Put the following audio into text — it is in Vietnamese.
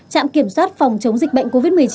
trạm kiểm soát phòng chống dịch bệnh covid một mươi chín